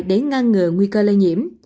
để ngăn ngừa nguy cơ lây nhiễm